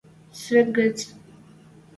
свет гӹц.